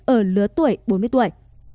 ở lứa tuổi bốn mươi tuổi